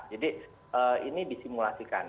jadi ini disimulasikan